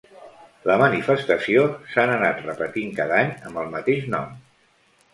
La manifestació s'han anat repetint cada any amb el mateix nom.